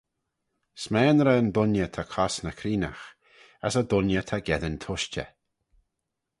S'maynrey'n dooinney ta cosney creenaght, as y dooinney ta geddyn tushtey.